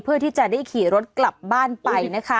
เพื่อที่จะได้ขี่รถกลับบ้านไปนะคะ